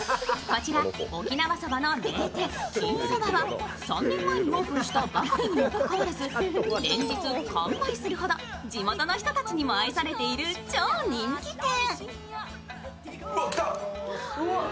こちら沖縄そばの名店きんそばは３年前にオープンしたばかりにもかかわらず、連日完売するほど地元の人たちにも愛されている超人気店。